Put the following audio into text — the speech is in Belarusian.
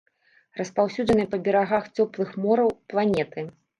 Распаўсюджаныя па берагах цёплых мораў планеты.